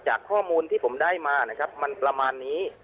ข้อมูลที่ผมได้มานะครับมันประมาณนี้